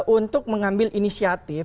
untuk mengambil inisiatif